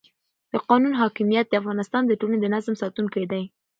د قانون حاکمیت د افغانستان د ټولنې د نظم ساتونکی دی